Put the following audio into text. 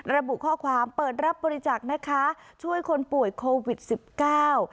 ระบุข้อความเปิดรับบริจาคนะคะช่วยคนป่วยโควิดสิบเก้า